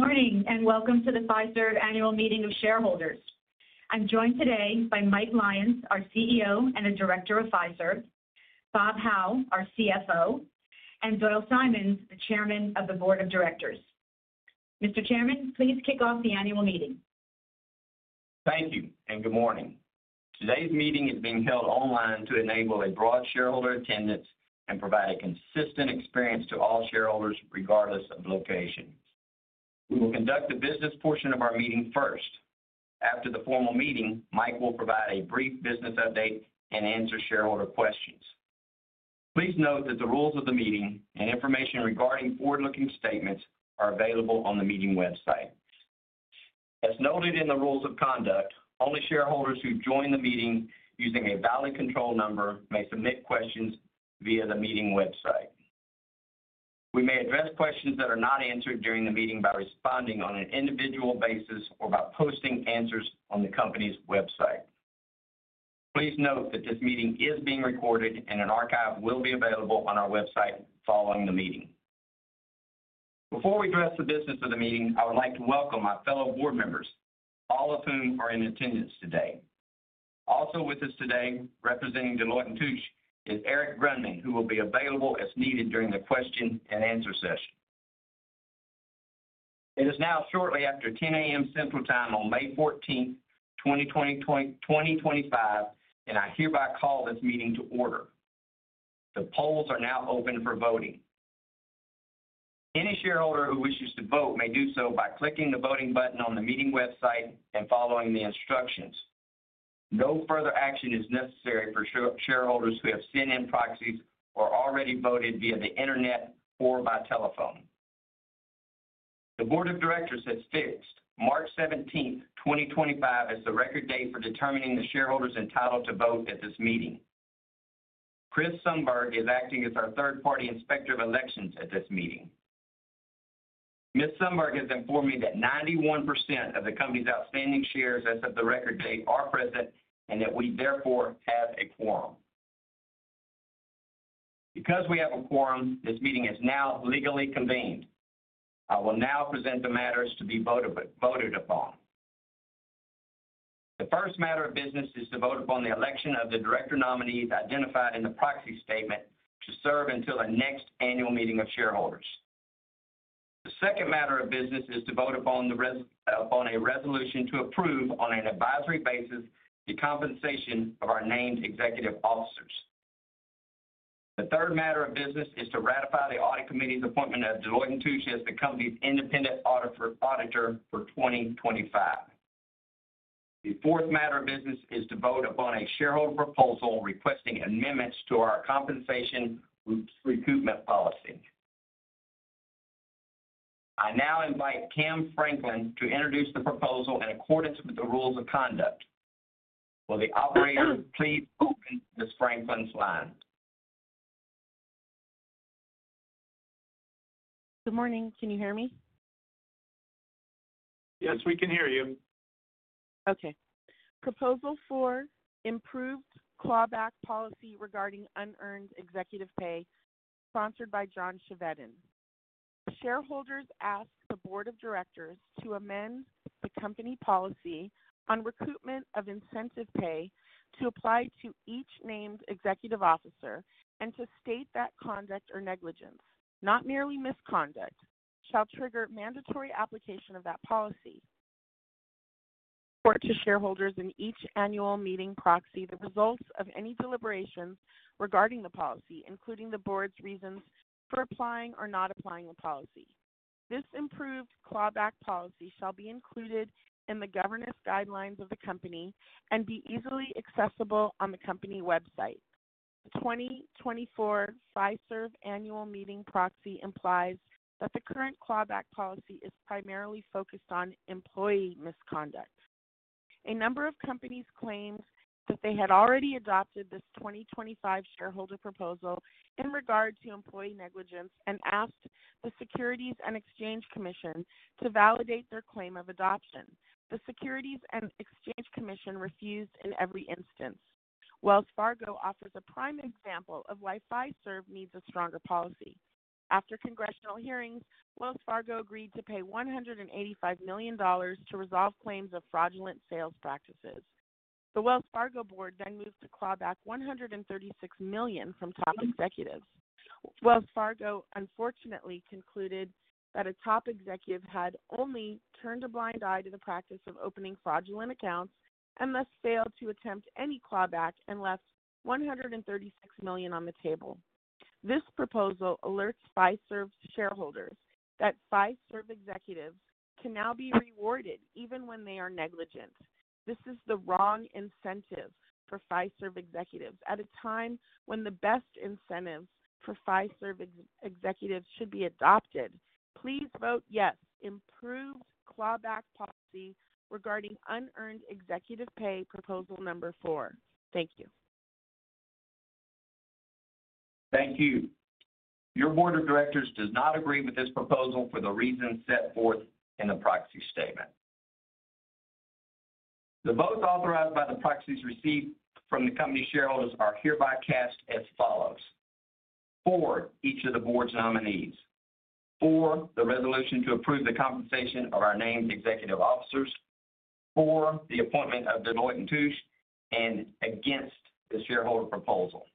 Good morning and welcome to the Fiserv Annual Meeting of Shareholders. I'm joined today by Mike Lyons, our CEO and the Director of Fiserv, Bob Hau, our CFO, and Doyle Simons, the Chairman of the Board of Directors. Mr. Chairman, please kick off the Annual Meeting. Thank you and good morning. Today's meeting is being held online to enable a broad shareholder attendance and provide a consistent experience to all shareholders regardless of location. We will conduct the business portion of our meeting first. After the formal meeting, Mike will provide a brief business update and answer shareholder questions. Please note that the rules of the meeting and information regarding forward-looking statements are available on the meeting website. As noted in the rules of conduct, only shareholders who join the meeting using a valid control number may submit questions via the meeting website. We may address questions that are not answered during the meeting by responding on an individual basis or by posting answers on the company's website. Please note that this meeting is being recorded and an archive will be available on our website following the meeting. Before we address the business of the meeting, I would like to welcome my fellow board members, all of whom are in attendance today. Also with us today, representing Deloitte & Touche is Erich Grundman, who will be available as needed during the question and answer session. It is now shortly after 10:00 A.M. Central Time on May 14th, 2025, and I hereby call this meeting to order. The polls are now open for voting. Any shareholder who wishes to vote may do so by clicking the voting button on the meeting website and following the instructions. No further action is necessary for shareholders who have sent in proxies or already voted via the internet or by telephone. The Board of Directors has fixed March 17th, 2025, as the record date for determining the shareholders entitled to vote at this meeting. Chris Sundberg is acting as our third-party inspector of elections at this meeting. Chris Sundberg has informed me that 91% of the company's outstanding shares as of the record date are present and that we therefore have a quorum. Because we have a quorum, this meeting is now legally convened. I will now present the matters to be voted upon. The first matter of business is to vote upon the election of the director nominees identified in the proxy statement to serve until the next Annual Meeting of Shareholders. The second matter of business is to vote upon a resolution to approve, on an advisory basis, the compensation of our named executive officers. The third matter of business is to ratify the Audit Committee's appointment of Deloitte & Touche as the company's independent auditor for 2025. The fourth matter of business is to vote upon a shareholder proposal requesting amendments to our compensation recruitment policy. I now invite Kim Franklin to introduce the proposal in accordance with the rules of conduct. Will the operator please open Ms. Franklin's line? Good morning. Can you hear me? Yes, we can hear you. Okay. Proposal for improved clawback policy regarding unearned executive pay, sponsored by John Chevedden. Shareholders ask the Board of Directors to amend the company policy on recoupment of incentive pay to apply to each named executive officer and to state that conduct or negligence, not merely misconduct, shall trigger mandatory application of that policy. Report to shareholders in each Annual Meeting proxy the results of any deliberations regarding the policy, including the board's reasons for applying or not applying the policy. This improved clawback policy shall be included in the governance guidelines of the company and be easily accessible on the company website. The 2024 Fiserv Annual Meeting proxy implies that the current clawback policy is primarily focused on employee misconduct. A number of companies claimed that they had already adopted this 2025 shareholder proposal in regard to employee negligence and asked the Securities and Exchange Commission to validate their claim of adoption. The Securities and Exchange Commission refused in every instance. Wells Fargo offers a prime example of why Fiserv needs a stronger policy. After congressional hearings, Wells Fargo agreed to pay $185 million to resolve claims of fraudulent sales practices. The Wells Fargo board then moved to claw back $136 million from top executives. Wells Fargo unfortunately concluded that a top executive had only turned a blind eye to the practice of opening fraudulent accounts and thus failed to attempt any clawback and left $136 million on the table. This proposal alerts Fiserv shareholders that Fiserv executives can now be rewarded even when they are negligent. This is the wrong incentive for Fiserv executives at a time when the best incentives for Fiserv executives should be adopted. Please vote yes to improved clawback policy regarding unearned executive pay, proposal number four. Thank you. Thank you. Your Board of Directors does not agree with this proposal for the reasons set forth in the proxy statement. The votes authorized by the proxies received from the company shareholders are hereby cast as follows: for each of the board's nominees, for the resolution to approve the compensation of our named executive officers, for the appointment of Deloitte & Touche, and against the shareholder proposal.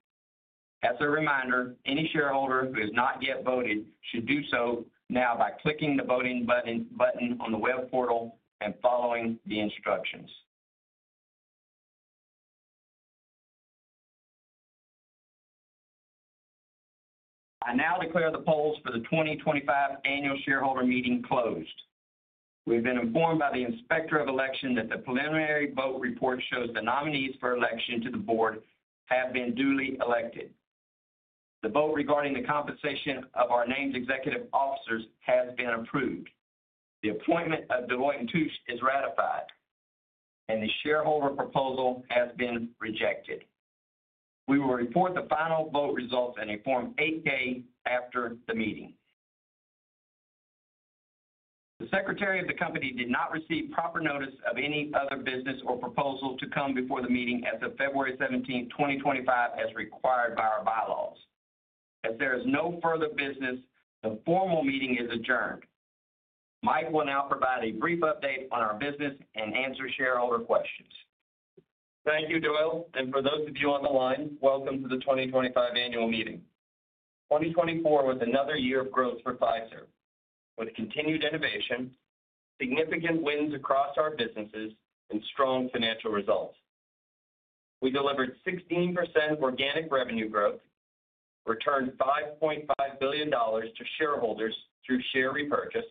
As a reminder, any shareholder who has not yet voted should do so now by clicking the voting button on the web portal and following the instructions. I now declare the polls for the 2025 Annual Shareholder Meeting closed. We've been informed by the inspector of election that the preliminary vote report shows the nominees for election to the board have been duly elected. The vote regarding the compensation of our named executive officers has been approved. The appointment of Deloitte & Touche is ratified, and the shareholder proposal has been rejected. We will report the final vote results in a Form 8-K after the meeting. The Secretary of the company did not receive proper notice of any other business or proposal to come before the meeting as of February 17th, 2025, as required by our by-laws. As there is no further business, the formal meeting is adjourned. Mike will now provide a brief update on our business and answer shareholder questions. Thank you, Doyle. For those of you on the line, welcome to the 2025 Annual Meeting. 2024 was another year of growth for Fiserv, with continued innovation, significant wins across our businesses, and strong financial results. We delivered 16% organic revenue growth, returned $5.5 billion to shareholders through Share Repurchase,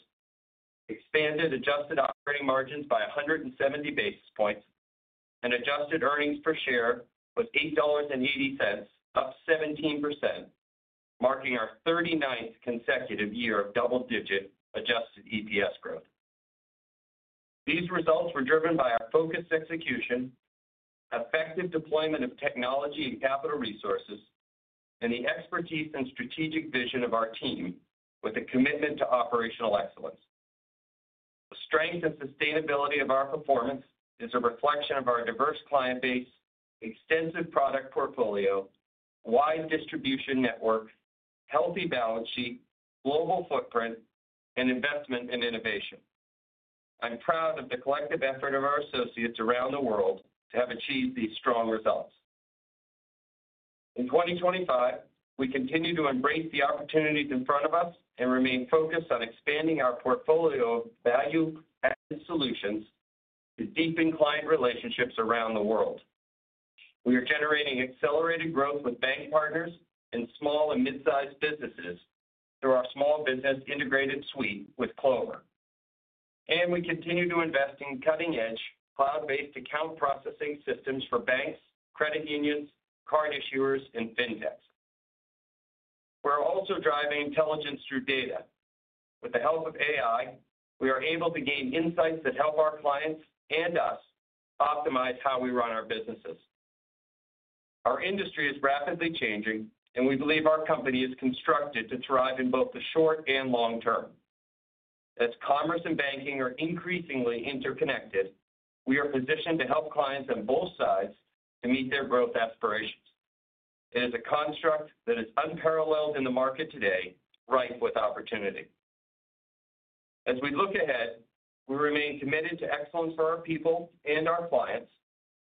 expanded adjusted operating margins by 170 basis points, and adjusted earnings per share was $8.80, up 17%, marking our 39th consecutive year of double-digit adjusted EPS growth. These results were driven by our focused execution, effective deployment of technology and capital resources, and the expertise and strategic vision of our team, with a commitment to operational excellence. The strength and sustainability of our performance is a reflection of our diverse client base, extensive product portfolio, wide distribution network, healthy balance sheet, global footprint, and investment in innovation. I'm proud of the collective effort of our associates around the world to have achieved these strong results. In 2025, we continue to embrace the opportunities in front of us and remain focused on expanding our portfolio of value-added solutions to deepen client relationships around the world. We are generating accelerated growth with bank partners and small and mid-sized businesses through our Small Business Integrated Suite with Clover. We continue to invest in cutting-edge cloud-based account processing systems for banks, credit unions, card issuers, and fintechs. We are also driving intelligence through data. With the help of AI, we are able to gain insights that help our clients and us optimize how we run our businesses. Our industry is rapidly changing, and we believe our company is constructed to thrive in both the short and long term. As commerce and banking are increasingly interconnected, we are positioned to help clients on both sides to meet their growth aspirations. It is a construct that is unparalleled in the market today, rife with opportunity. As we look ahead, we remain committed to excellence for our people and our clients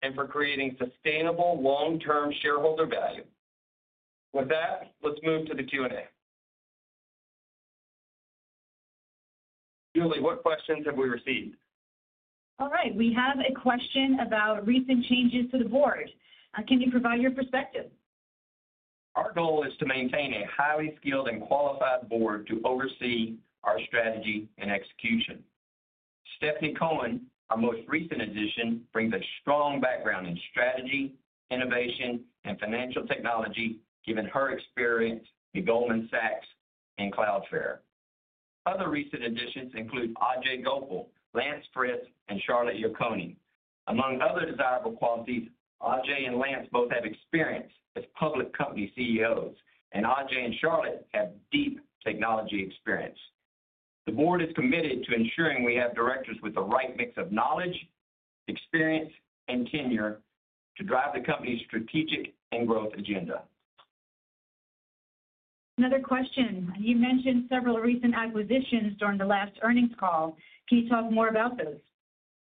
and for creating sustainable long-term shareholder value. With that, let's move to the Q and A. Julie, what questions have we received? All right. We have a question about recent changes to the board. Can you provide your perspective? Our goal is to maintain a highly skilled and qualified board to oversee our strategy and execution. Stephanie Cohen, our most recent addition, brings a strong background in strategy, innovation, and financial technology, given her experience with Goldman Sachs and Cloudflare. Other recent additions include Ajei Gopal, Lance Fritz, and Charlotte Yarkoni. Among other desirable qualities, Ajei and Lance both have experience as public company CEOs, and Ajei and Charlotte have deep technology experience. The board is committed to ensuring we have directors with the right mix of knowledge, experience, and tenure to drive the company's strategic and growth agenda. Another question. You mentioned several recent acquisitions during the last earnings call. Can you talk more about those?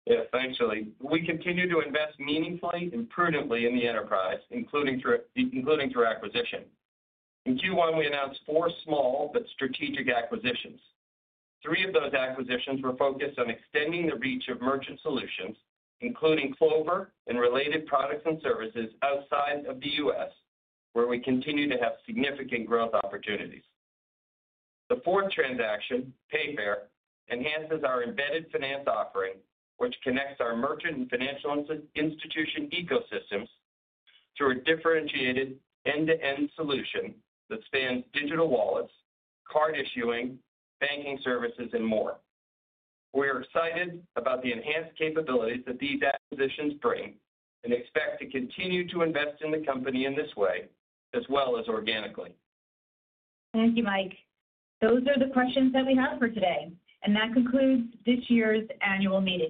Yes, thanks, Julie. We continue to invest meaningfully and prudently in the enterprise, including through acquisition. In Q1, we announced four small but strategic acquisitions. Three of those acquisitions were focused on extending the reach of Merchant Solutions, including Clover and related products and services outside of the U.S., where we continue to have significant growth opportunities. The fourth transaction, Payfair, enhances our embedded finance offering, which connects our merchant and financial institution ecosystems through a differentiated end-to-end solution that spans digital wallets, card issuing, banking services, and more. We are excited about the enhanced capabilities that these acquisitions bring and expect to continue to invest in the company in this way, as well as organically. Thank you, Mike. Those are the questions that we have for today. That concludes this year's Annual Meeting.